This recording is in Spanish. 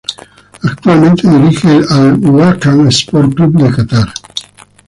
Actualmente dirige al Al-Wakrah Sport Club de Qatar.